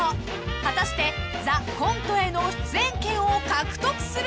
［果たして『ＴＨＥＣＯＮＴＥ』への出演権を獲得するのは？］